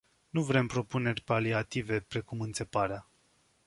Nu vrem propuneri paliative precum "înțeparea”.